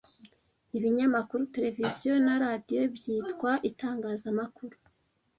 Ibinyamakuru, televiziyo, na radiyo byitwa itangazamakuru.